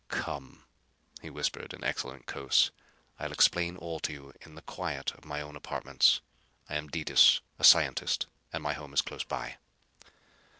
"Come," he whispered, in excellent Cos; "I'll explain all to you in the quiet of my own apartments. I am Detis, a scientist, and my home is close by."